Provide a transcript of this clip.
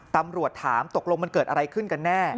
ตำรวจถามตกลงมันเกิดอะไรขึ้นกันแน่